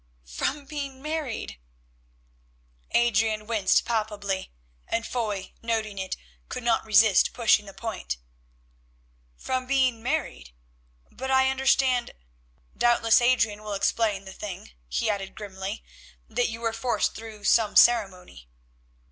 "From being married." Adrian winced palpably, and Foy, noting it, could not resist pushing the point. "From being married? But I understand—doubtless Adrian will explain the thing," he added grimly—"that you were forced through some ceremony."